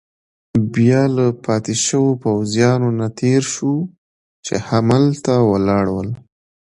بیا له پاتې شوو پوځیانو نه تېر شوو، چې هملته ولاړ ول.